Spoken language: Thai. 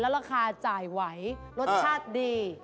และราคาจ่ายไว้รสชาติดี